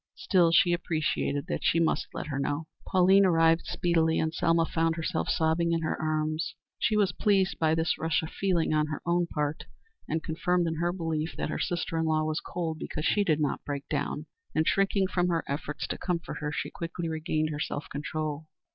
Still, she appreciated that she must let her know. Pauline arrived speedily, and Selma found herself sobbing in her arms. She was pleased by this rush of feeling on her own part, and, confirmed in her belief that her sister in law was cold because she did not break down, and, shrinking from her efforts to comfort her, she quickly regained her self control.